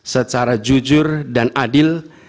secara jujur dan adil